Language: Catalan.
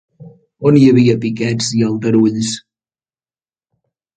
On hi havia piquets i aldarulls?